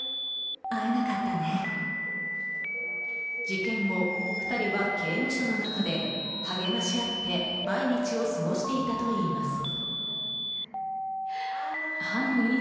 事件後、２人は刑務所の中で励まし合って毎日を過ごしていたといいます。